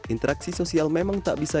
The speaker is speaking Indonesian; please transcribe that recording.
interaksi sosial memang tak bisa